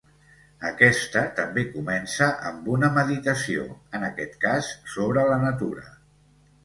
Aquesta també comença amb una meditació, en aquest cas sobre la natura.